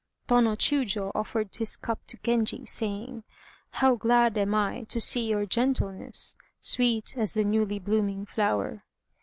Tô no Chiûjiô offered his cup to Genji, saying, "How glad am I to see your gentleness, Sweet as the newly blooming flower!"